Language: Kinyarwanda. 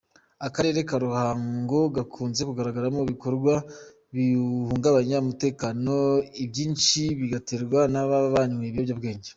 Akarere ka Ruhango gakunze kugaragaramo ibikorwa bihungabanya umutekano, ibyinshi bigaterwa n’ababa banyweye ibiyobyabwenge.